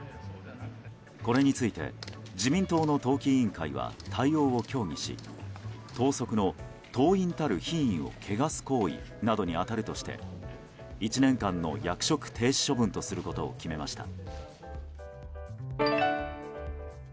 これについて、自民党の党紀委員会は対応を協議し党則の党員たる品位を汚す行為などに当たるとして１年間の役職停止処分とすることを決めました。